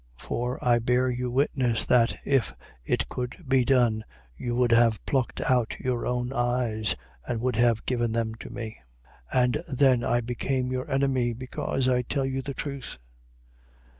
For I bear you witness that, if it could be done, you would have plucked out your own eyes and would have given them to me. 4:16. Am I then become your enemy, because I tell you the truth?